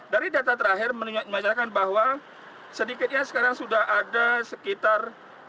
dari data terakhir menyatakan bahwa sedikitnya sekarang sudah ada sekitar